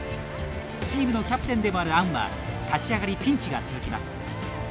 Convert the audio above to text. チームのキャプテンでもあるアンは立ち上がりピンチが続きます。